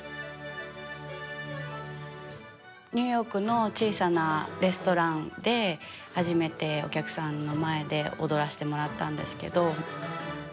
ニューヨークの小さなレストランで初めてお客さんの前で踊らせてもらったんですけど。